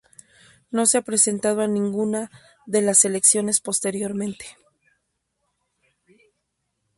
No se ha presentado a ninguna de las elecciones posteriormente.